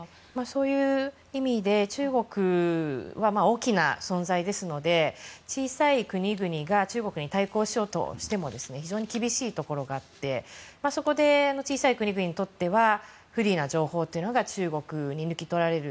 そういう意味で中国は大きな存在ですので小さい国々が中国に対抗しようとしても非常に厳しいところがあってそこで小さい国々にとっては不利な情報というのが中国に抜き取られる。